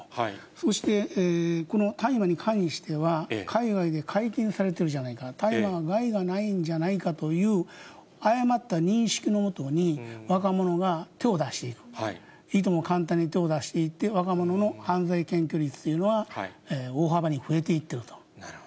そして、この大麻に関しては、海外で解禁されてるじゃないか、大麻は害がないんじゃかという誤った認識のもとに若者が手を出していく、いとも簡単に手を出していって、犯罪検挙率というのは大幅に増えていってると。